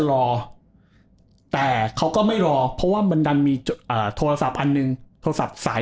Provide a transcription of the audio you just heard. รอแต่เขาก็ไม่รอเพราะว่ามันดันมีเอ่อโทรศัพท์อันหนึ่งโทรศัพท์สาย